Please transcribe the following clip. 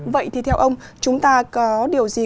vậy thì theo ông chúng ta có điều gì